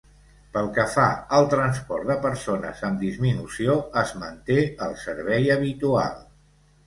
Pel que fa al transport de persones amb disminució es manté el servei habitual.